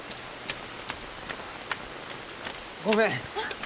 ごめん！